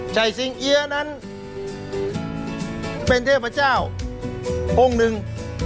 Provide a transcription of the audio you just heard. ชัยสิงเอียนั้นเป็นเทพเจ้าโหงนึง